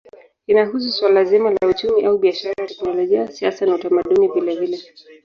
Inahusu suala zima la uchumi au biashara, teknolojia, siasa na utamaduni vilevile.